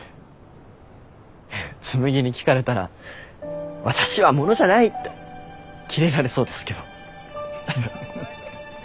紬に聞かれたら「私は物じゃない！」ってキレられそうですけど。